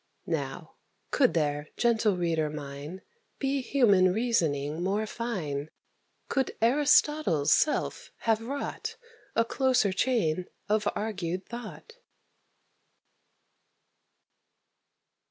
Now, could there, gentle reader mine, Be human reasoning more fine? Could Aristotle's self have wrought A closer chain of argued thought?